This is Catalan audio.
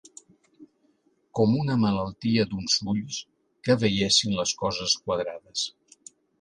Com una malaltia d'uns ulls que veiessin les coses quadrades.